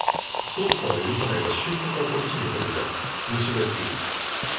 捜査は許さないが収穫はこっちによこせじゃ虫が良すぎる。